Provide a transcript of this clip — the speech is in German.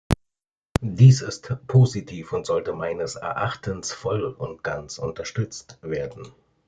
Dies ist positiv und sollte meines Erachtens voll und ganz unterstützt werden.